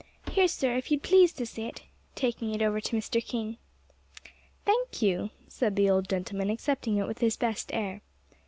"Here, sir, if you'd please to sit," taking it over to Mr. King. "Thank you," said the old gentleman, accepting it with his best air.